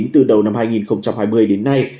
từ đầu năm hai nghìn hai mươi đến nay